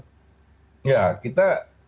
ya kita seperti yang sampaikan pak mendak